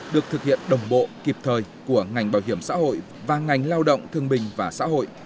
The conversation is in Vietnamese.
được thực hiện đồng bộ kịp thời của ngành bảo hiểm xã hội và ngành lao động thương bình và xã hội